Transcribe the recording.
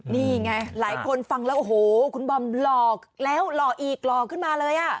นี่ไงหลายคนฟังแล้วโอ้โหคุณบอมหลอกแล้วหล่ออีกหล่อขึ้นมาเลยอ่ะ